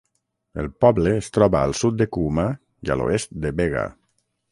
El poble es troba al sud de Cooma i a l'oest de Bega.